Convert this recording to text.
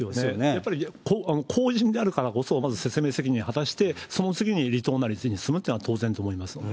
やっぱり公人であるからこそ、まず説明責任果たして、その次に離党なりに進むっていうのが当然と思います。